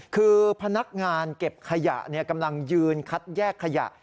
คือพนักงานเก็บขยะกำลังยืนคัดแยกขยะ